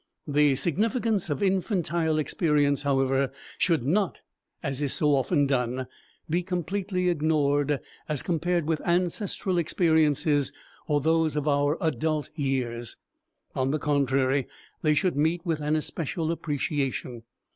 The significance of infantile experience, however, should not, as is so often done, be completely ignored as compared with ancestral experiences or those of our adult years; on the contrary, they should meet with an especial appreciation.